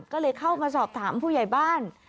ก็เลยเข้ามาสอบถามผู้ใหญ่บ้าน